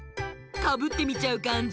かぶってみちゃうかんじ？